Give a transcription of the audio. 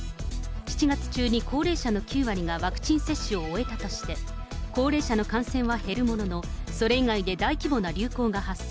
７月中に高齢者の９割がワクチン接種を終えたとして、高齢者の感染は減るものの、それ以外で大規模な流行が発生。